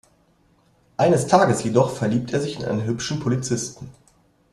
Eines Tages jedoch verliebt er sich in einen hübschen Polizisten.